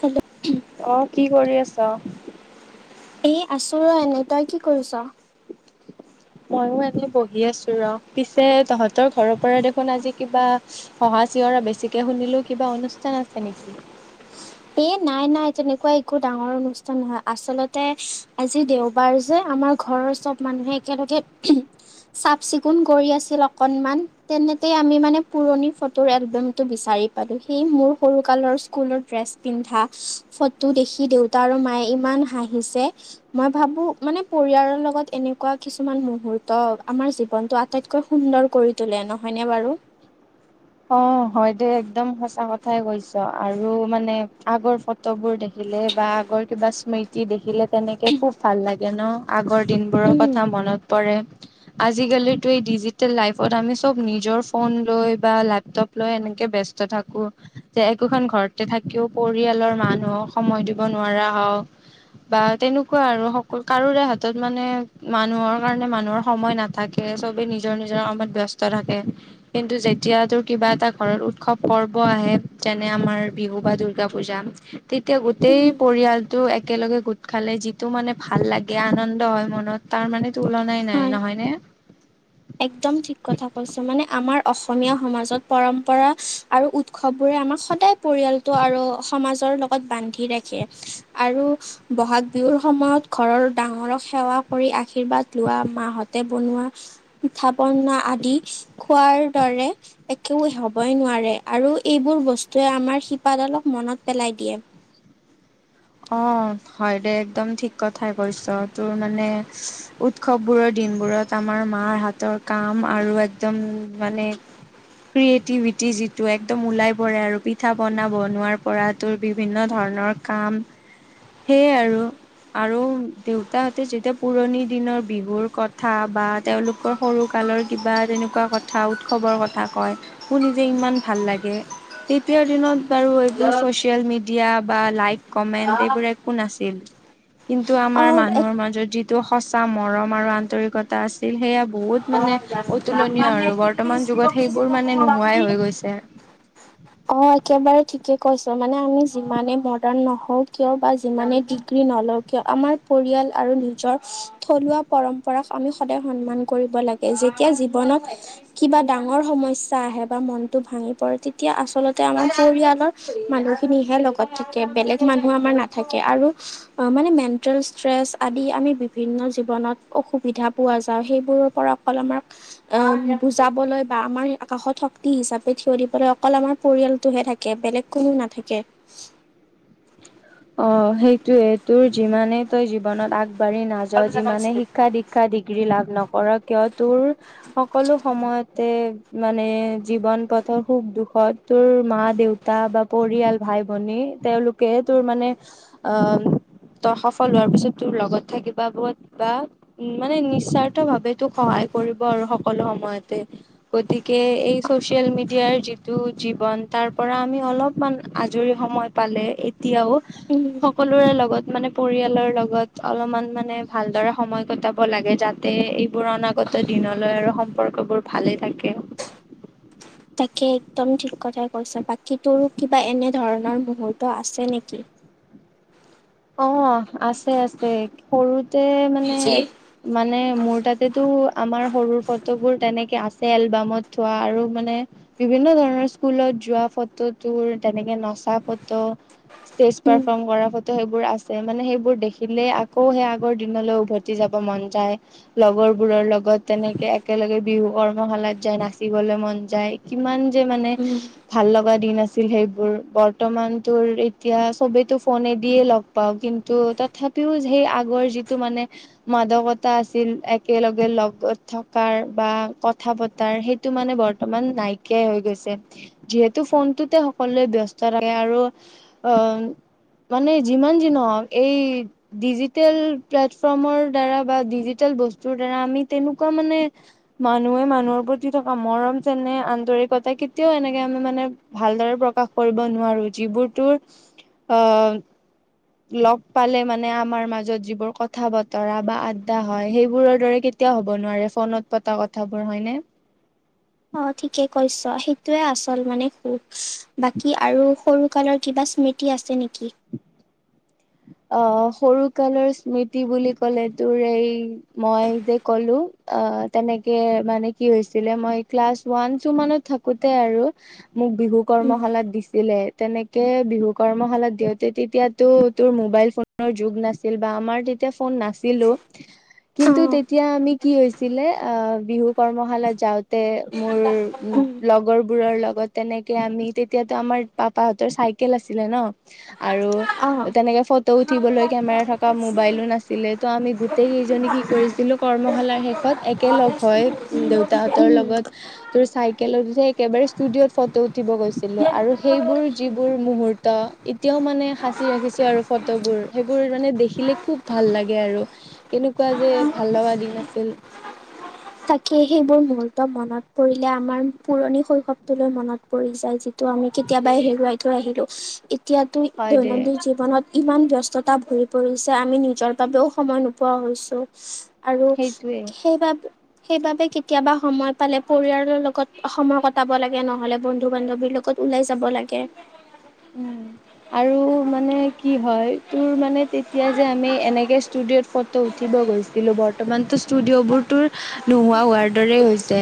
Hello অ', কি কৰি আছ। এ, আছো ৰ এনে তই কি কৰিছ? [inaudible] ময়ও এনে বহি আছো ৰ পিছে তহঁতৰ ঘৰৰ পৰা দেখোন আজি কিবা হ'হা চিয়ৰ হৰা বেছিকে শুনিলো কিবা অনুষ্ঠান আছে নেকি এ, নাই নাই তেনেকুৱা একো ডাঙৰ অনুষ্ঠান নহয় আচলতে আজি দেওবাৰ যে আমাৰ ঘৰৰ চব মানুহে একেলগে চাফ চিকুণ কৰি আছিল অকণমান, তেনেতে আমি মানে পুৰণি ফটোৰ এলবামটো বিচাৰ আই পালোঁ সি মোৰ সৰু কালৰ স্কুলৰ ড্ৰেছ পিন্ধা ফটো দেখি দেউতা আৰু মায়ে ইমান হাঁহিছে মই ভাবো মানে পৰিয়ালৰ লগত এনেকুৱা কিছুমান মুহুৰ্ত আমাৰ জীৱনতটো আটাইতকৈ সুন্দৰ কৰি তোলে নহয় নে ন বাৰু। [inaudible] অ', হয়দে একদম সঁচা কথাই কৈছ আৰু মানে আগৰ ফটোবোৰ দেখি বা আগৰ কিবা স্মৃতি দেখিলে তেনেকে খুব ভাল লাগে ন আগৰ দিন বোৰৰ উম কথা মনত পৰে আজিকালিটো এই ডিজিটেল লাইফত আমি চব নিজৰ ফন লৈ বা লেপ লেপটপ লৈ এনেকে বস্ত থাকো যে একোখন ঘৰতে থাকিও পৰিয়ালৰ মানুহক সময় দিব নোৱাৰা হও। বা তেনেকুৱা আৰু সকল কাৰোৰে হাতত মানে মানুহৰ কাৰণে মানুহৰ সময় নাথাকে। চবেই নিজৰ নিজৰ কামত ব্যস্ত থাকে কিন্তু যেতিয়া তোৰ কিবা এটা ঘৰত উৎসৱ পৰ্ব আহে যেনে আমাৰ বিহু বা দূৰ্গা পূজা। তেতিয়া উম গোটেই পৰিয়ালটো একেলগে গোট খালে যিটো মানে ভাল লাগে আনন্দ হয় মনত তাৰ মানে তুলনাই নাই হয় নহয় ন একদম ঠিক কথা কৈছে মানে আমাৰ অসমীয়া সমাজত পৰম্পৰা আৰু উৎসৱবোৰে আমাক সদায় পৰিয়ালতটো আৰু সমাজৰ বান্ধি ৰাখে আৰু বহাগ বিহুৰ সময়ত ঘৰৰ ডাঙৰক সেৱা কৰি আশীৰ্বাদ লোৱা মাহঁতে বনোৱা পিঠা পনা আদি খোৱাৰ দৰে একেও হবই নোৱাৰে আৰু এইবোৰ বস্তুৱে আমাৰ শিপাডালক মনত পেলাই দিয়ে। অ', হয় দে একদম ঠিক কথাই কৈছ, তোৰ মানে উৎসৱ বোৰৰ দিন দিনবোৰত আমাৰ মাৰ হাতৰ কাম আৰু একদম মানে ক্ৰিয়েটিভিটি যিটো একদম ওলাই পৰে আৰু পিঠা পনা বনোৱাৰ পৰাতো বিভিন্ন ধৰণ ধৰণৰ কাম সেইয়ে আৰু আৰু দেউতাহতে যেতিয়া পুৰণি দিনৰ বিহুৰ কথা বা তেওঁওলোকৰ সৰু ক কালৰ কিবা তেনেকুৱা কথা উৎসৱৰ কথা কয় শোৰ নিজে ইমান ভাল লাগে তেতিয়াৰ দিনত বাৰু এইবোৰ চচিয়েল মিডিয়া বা লাইক কমেন্ট সেবোৰ একো নাছিল। কিন্তু আমাৰ অ মানুহৰ মাজত যিটো সঁচা মৰম আৰু আন্তৰিকতা আছিল সেয়া বহুত মানে অাম যাম অতুলনীয় মানে আৰু কি বৰ্তমান যুগত সেইবোৰ কিছিললাম মানে নোহোৱাই ন হৈ গৈছে। অ একেবাৰে ঠিকে কৈছো মানে আমি যিমানে মডাৰ্ণ নহও কিয় বা যিমানে ডিগ্ৰী নলও [unintelligible] আমাৰ পৰিয়াল আৰু নিজৰ থলুৱা পৰম্পৰাক আমি সদায় সন্মান কৰিব লাগে। যেতিয়া জীৱনত কিবা ডাঙৰ সমস্যা আহে বা মনটো ভাঙি পৰে তেতিয়া আচলতে আমাৰ পৰিয়ালৰ মানুহখিনিহে লগত থাকে বেলেগ মানুহ আমাৰ নাথাকে আৰু মানে মেণ্টেল ষ্ট্ৰেছ আদি আমি বিভিন্ন জীৱনত অসুবিধা পোৱা যাওঁ সেইবোৰৰ পৰা আাক অ বুজাবলৈ বা আমাৰ আকাশত শক্তি হিচাপে থিয় দিবলৈ অকল আমাৰ পৰিয়ালটোহে থাকে বেলেগ কোনো নাথাকে অ সেইটোয়ে তোৰ যিমানেই তই জীৱনত আগবঢ় ঢ়ি নাযাও যিমানে শিক্ষা দীক্ষা ডিগ্ৰী লাভ নকৰ কিয় তোৰ সকলো সময়তে মানে জীৱন পথৰ সুখ দুখত তোৰ মা দেউতা বা পৰিয়াল ভাই ভনী তেওঁলোকে তোৰ মানে অ', তই সফল হোৱাৰ পিছত তোৰ লগত থাকিবা ব বা মানে নিস্বাৰ্থ ভাৱে তোক সহায় আৰু সকলো সময়তে গতিকে এই চচিয়েল মিডিয়াৰ যিটো জীৱন তাৰ পৰা আমি অলপমান আজৰি সময় পালে এতিয়াও উম সকলোৰে লগত মানে পৰিয়ালৰ লগত অলপমান মানে ভালদৰে সময় কটাব লাগে যাতে এইবোৰ অনাগত তই দিনলৈ আৰু সম্পৰ্কবোৰ ভালেই থাকে। তাকে একদম ঠিক কথাই কৈছ বাকী তোৰো কিবা এনে ধৰণৰ মুহৰ্ত আছে নেকি? অ আছে আছে সৰুতে মানে মানে মোৰ তাতেতটো আমাৰ সৰুৰ ফটোবোৰ তেনেকে আছে এলবামত থোৱা আৰু মানে বিভিন্ন ধৰণৰ স্কুলত যোৱা ফটো তোৰ তেনেকে নচা ফটো ষ্টেজ উম পাৰফৰ্ম কৰা ফটো সেইবোৰ আছে মানে সেইবোৰ দেখিলেই আকৌ সেই আগৰ দিনলৈ উভতি যাব মন যায় লগৰ বোৰৰ লগত তেনেকে একেলগে বিহু কৰ্মশালাত যায় নাচিবলৈ মন যায় কিমান যে মানে উম ভাল লগ দিন আছিল সেইবোৰ বৰ্তমান তোৰ এতিয়া সবেটো ফনে দিয়ে লগ পাওঁ কিন্তু তথাপিও সেই আগৰ যিটো মানে মাদকতা আছিল একেলগে লগত থকাৰ বা কথা পতাৰ সেইটো মানে বৰ্তমান নাইকিয়াই হৈ গৈছে যিহেতু ফোনটোতে সকলোৱে ব্যস্ত থাকে আৰু অ মানে যিমান যি নহওক এই ডিজিটেল প্লেটফৰ্মৰ দ্বাৰা বা ডিজিটেল ব্ত বস্তুৰ দ্বাৰা আমি তেনেকুৱা মানে মানুহে মানুহৰ প্ৰতি থকা মৰম যেনে আন্তৰিকতা কেতিয়াও এনেকে আমি মানে ভালদৰে প্ৰকাশ কৰিব নোৱাৰো যিবোৰতৰ আহ লগ পালে মানে আমাৰ মাজত যিবোৰ কথা বতৰা বা আড্ডা হয় সেইবোৰৰ দৰে কেতিয়াও হ'ব নোৱাৰে ফোনত পতা কথাবোৰ হয় নে? অ', ঠিকে কৈছ সেইটোয়ে আচল মানে সুখ, বাকী আৰু সৰু কালৰ কিবা স্মৃতি আছে নেকি? অ', সৰু কালৰ স্মৃতি বুলি ক'লে তোৰ এই মই যে কলো অ আ', তেনেকে মানে কি হৈছিলে মই ক্লাছ ৱানটো মানে থাকোতে আৰু মোক বিহু উম, কৰ্মশালাত দিছিলে তেনেকে বিহু কৰ্মশালাত দিওঁতে তেতিয়াতো তোৰ মোবাইল ফোনৰ যুগ নাছিল বা আমাৰ তেতিয়া ফোন নাছিলো। কিন্তু অ', তেতিয়া আমি কি হৈছিলে অ' বিহু কৰ্মশালাত যাওঁতে মোৰ উম, লগৰ বোৰৰ লগত তেনেকে আমি, তেতিয়াতো আমাৰ পাপাহঁতৰ চাইকেল আছিলে ন, আৰু অ'। তেনেকে ফটো উঠিবলৈ কেমেৰা থকা মোবাইলো নাছিলে ত' আমি গোট টেই কেইজনী কি কৰিছিলোঁ, কৰ্মশালাৰ শেষত একেলগ হৈ দেউতাহঁতৰ উম। লগত তোৰ চাইকেলত যে একেবাৰে ষ্টুডিঅ'ত ফটো উঠিব গৈছিলো, আৰু সেইবোৰ যিবোৰ মুহূৰ্ত এতিয়াও মানে সাঁচ ৰাখিছোঁ আৰু ফটোবোৰ সেইবোৰ মানে দেখিলে খুব ভাল লাগে আৰু, কেনেকুৱা যে ভাল দিন আছিল। থাকে সেইবোৰ মুহুৰ্ত মনত পৰিলে আমাৰ পুৰণি শৈশৱটোলৈ মনত পৰি যায় তো আমি কেতিয়াবাই হেৰুৱাই থৈ আহিলোঁ। এতিয়াতো হয় দে দৈনন্দিন জীৱনত ইমান ব্যস্ ব্যস্ততা ভৰি পৰিছে আমি নিজৰ বাবেও সময় নোপোৱা হৈছো। আৰু সেইটোৱে সেইবাবে সেইবাবে কেতিয়াবা সময় পালে পৰিয়ালৰ লগত সময় কটাব লাগে নহলে বন্ধু বান্ধৱীৰ লগত। ওলাই যাব লাগে। উম। আৰু মানে কি হয় তোৰ মেতিয়া যে আমি এনেকে ষ্টুডিঅত ফটো গৈছিলো বৰ্তমাটো ষ্টুডিঅ বোৰ টোৰ নোহোৱা হোৱাৰ দৰেই হৈছে।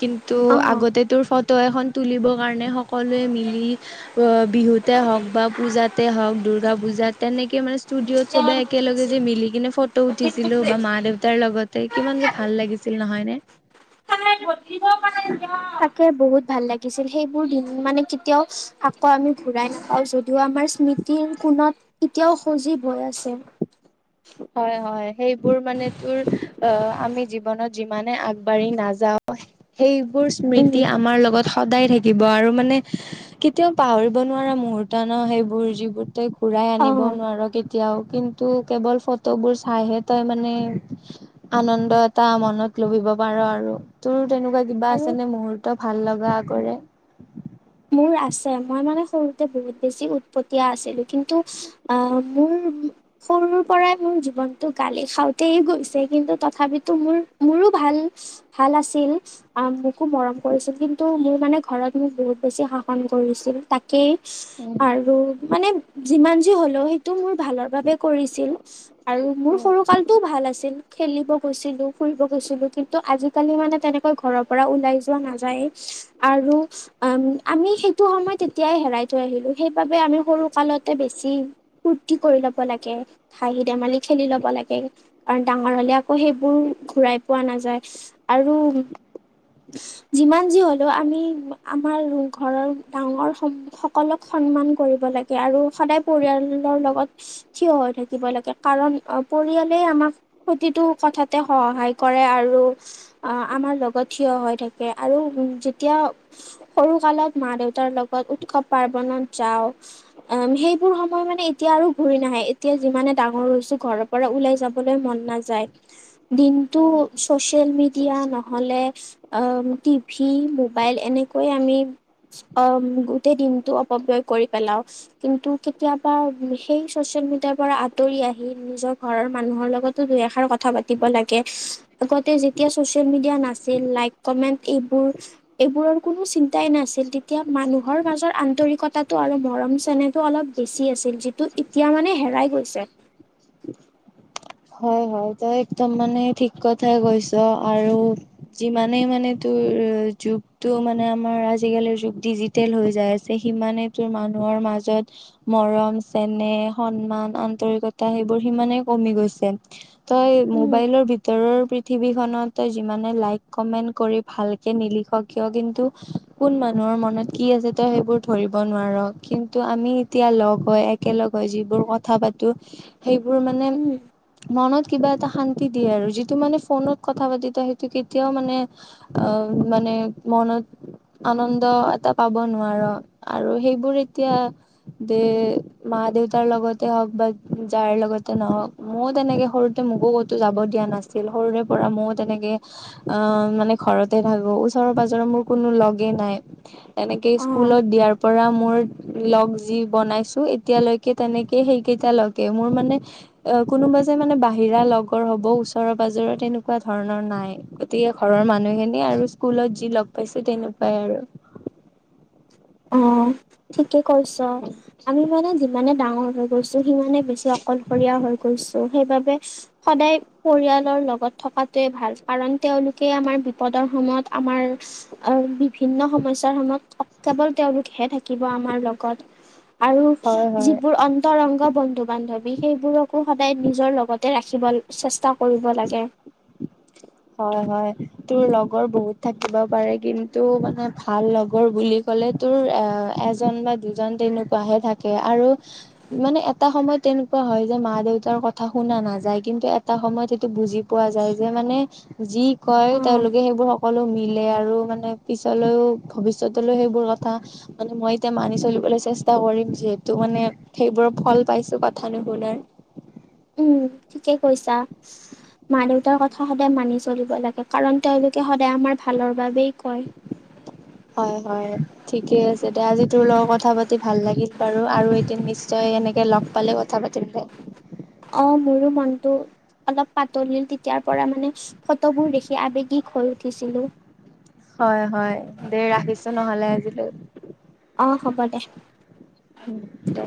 কিন্তু, অ'। আগতে তোৰ ফটো এখন তুলিবৰ কাৰণে সকলোৱে মিলি অ বিহুতে হওক বা পূজাতে হওক দুৰ্গা পূজাত তেনেকে মানে ষ্টুডিঅ'ত সবে একেলগে যে মিলি কিনে ফটো উঠিছিলোঁ বা মা দেউতাৰ লগতে, কিমান যে ভাল লাগিছিল। ফীল নহয়নে? তাকে বহুত ভাল লাগিছিল সেইবোৰ দিন মানে কেতিয়াও ক আমি ঘূৰাই নাপাও যদিও আমাৰ স্মৃতিৰ কোণত কেতিয়াও সজীৱয় আছে। হয় হয়, সেইবোৰ মান তোৰ অ' আমি জীৱনত যিমানে আগবাঢ়ি নাযা সেইবোৰ উম, স্মৃতি আমাৰ লগত সদায় থাকিব। আৰু মানে কেতিয়াও পাহৰিব নোৱাৰা মুহুূৰ্ত ন, সেইবোৰ যিবোৰ তই ঘুৰাই আনিব অ', নোৱাৰো কেতিয়াও কিন্তু কেৱল ফটোবোৰ চাইহে তই মানে, আনন্দ এটা মনত লভিব পাৰ আৰু। তোৰ তেনেকুৱা কিবা আৰু আছে নে মুহুৰ্ত ভাল লগা কৰে। মোৰ আছে মই মানে সৰুতে বহুত বেছি উৎপতীয়া আছিলো কিন্তু আহ মোৰ সৰুৰ পৰাই মোৰ জীৱনটো গালি খাওঁতেই গৈছে কিন্তু তথাপিতো মোৰ-মোৰ ৰো ভাল, ভাল আছিল, আ মোকো মৰম কৰিছিল কিন্তু মোৰ মানে ঘৰত মোক বহুত বেছি শাসন কৰিছিল তাকেই, উম আৰু মানে যিমান যি হ'লেও সেইটো মোৰ ভালৰ বাবে কৰিছিল আৰু মোৰ সৰুকালটোও ভাল আছিল। খেলিব গৈছিলো, ফুৰিব গৈছিলো কিন্তু আজিকালি মানে তেনেকৈ ঘৰৰ পৰা ওলাই যোৱা নাযায়েই। আৰু আমি সেইটো সময় তেতিয়াই হেৰাই থৈ আহিলো সেইবাবে আমি সৰু কালতে বেছি ফূৰ্তি কৰি ল'ব লাগে, হহি ধেমালি খেলি ল'ব লাগে, কাৰণ ডাঙৰ হলে আকৌ সেইবোৰ ঘূৰাই পোৱা নাযায়। আৰু যিমান যি হলেও আমি আমাৰ ঘৰৰ ডাঙৰ সকলক সন্মান কৰিব লাগে আৰু সদায় পৰিয়াল হৰ লগত থিয় হৈ থাকিব লাগে। কাৰণ অ', পৰিয়ালে আমাক প্ৰতিটো কথাতে সহ সহায় কৰে আৰু, আ', আমাৰ লগত থিয় হৈ থাকে আৰু যেতিয়া সৰু কালত মা-দেউতাৰ লগত উৎসৱ পাৰ্বনত যাওঁ। অম্‌', সেইবোৰ সময় মানে এতিয়া আৰু ঘূৰি নাহে। এতিয়া যিমানে ডাঙৰ হৈছো, ঘৰৰ পৰা ওলাই যাবলৈ মন দিনটো চচিয়েল মিডিয়া নহলে আহ টিভি মোবাইল এনেকৈ আমি অম্‌', গোটেই দিনটো অপব্যয় কৰি পেলাওঁ। কিন্তু কেতিয়াবা সেই ছচিঅ মিটাৰ পৰা আঁতৰি আহি নিজৰ ঘৰৰ মানুহৰ লগতো দুই এষাৰ কথা পাতিব লাগে। [unintelligible] তে যেতিয়া ছোচিয়েল মিডিয়া নাছিল, লাইক কমেণ্ট এইবোৰ-এইবোৰৰ কোনো চিন্তাই নাছিল। তেতিয়া মানুহৰ মাজৰ আন্তৰিকতাটো আৰু মৰম চেনেহটো অলপ বেছি আছিল। ছিল যিটো ইতিয়া মানে হেৰাই গৈছে। [inaudible] হয় হয় তই একদম মানে ঠিক কথাই কৈছ আৰু যিমানেই মানে ত উম', উ', যুগটো মানে আমাৰ আজিকালিৰ যুগ ডিজিটেল হৈ যাই আছে, সিমানে তোৰ মানুহৰ মাজত মৰম-চেনেহ, সন্মান, আন্তৰিকতা, সেইবোৰ সিমানেই কমি গৈছে। তই উম মোবাইলৰ ভিতৰৰ পৃথিৱীখনত তই যিমানে লাইক কমেন্ট কৰি ভালকে নিলিখ কিয়, কিন্তু কোন মা নৰ মনত কি আছে তই সেইবোৰ ধৰিব নোৱাৰ। কিন্তু আমি এতিয়া লগ হৈ একেলগ হৈ যি যিবোৰ কথা পাতো সেইবোৰ মানে উম মনত কিবা এটা শান্তি দিয়ে আৰু। যিটো মানে ফোনত কথা পাতোতে সেইটো কেতিয়াও মানে, আ' অম্‌', মানে মনত আনন্দ এটা পাব নোৱাৰ আৰু সেইবোৰ এতিয়া দে, মা দেউতাৰ লগতে হওঁক বা যাৰ লগতে নহওঁক। ময়ও তেনেকে সৰুতে মোকো ক'তো যাব দিয়া নাছিল সৰুৰে পৰা ময়ও তেনেকে অ মানে ঘৰতে থাকোঁ। ওচৰৰ-পাজৰেৰ মোৰ কোনো লগেই নাই। তেনেকে অ স্কুলত দিয়াৰ পৰা মোৰ লগ যি বনাইছোঁ, এতিয়ালৈকে তেনেকে সেইকেইটা লগে। মোৰ মানে অ কোনোবা যে মানে বাহিৰা লগৰ হব ওচৰ পাজৰ তেনেকুৱা ধৰণৰ নাই গতিকে ঘৰৰ মানুহে এনেই আৰু স্কুলত যি লগ পাইছোঁ, তেনেকুৱাই আৰু। অ', ঠিকে কৈছ। আমি মানে যিমানে ডাঙৰ হৈ গৈছোঁ সিমানে বেছি অকলশৰীয়া হৈ গৈছো সেইবাবে সদায় পৰিয়ালৰ লগত থকাটোৱে ভাল। কাৰণ তেওঁলোকে আমাৰ বিপদৰ সময়ত আমাৰ আ', বিভিন্ন সমস্যাৰ সময়ত কেবল তেওঁলোকহে থাকিব আমাৰ লগত। আৰু হয় হয় যিবোৰ অন্তৰংগ বন্ধু-বান্ধৱী সেইবোৰকো সদায় নিজৰ লগতে ৰাখিব চেষ্টা কৰিব লাগে। হয় হয়। তোৰ লগৰ বহুত থাকিব পাৰে, কিন্তু মানে ভাল লগৰ বুলি ক হ'লে তোৰ আ', এজন বা দুজন তেনেকুৱাহে থাকে আৰু মানে এটা সময়ত তেনেকুৱা হয় যে মা দেউতাৰ কথা শুনা নাযায় কিন্তু এটা সময়ত সেইটো বুজি পোৱা যায় যে মানে যি কয় অ', তেওঁলোকে সেইবোৰ সকলো মিলি আৰু মানে পিছলৈও ভৱিষ্যতলৈ সেইবোৰ কথা মানে মই এতিয়া মানি চলিবলৈ চেষ্টা মৰিম যিহেতু মানে, সেইবোৰ ফল পাইছোঁ কথা নুশুনে। উ', ঠিকে কৈছা। মা দেউতাৰ কথা সদায় মানি চলিব লাগে। কাৰণ তেওঁলোকে সদায় আমাৰ ভালৰ বাবেই কয়। হয় হয়, ঠিকে আছে। তো আজি তোৰ লগত কথা পাতি ভাল লাগিল। বাৰু, আৰু এদিন নিশ্চয় এনেকে লগ পালে কথা পাতিম দে। অ মোৰো মনটো অলপ পাতলিল তেতিাৰ পৰা মানে ফটোবোৰ দেখি আবেগিক হৈ উঠিছিলোঁ হয় হয়। দে ৰাখিছো নহ'লে আজিলৈ। অ', হ'ব দে। উম দে।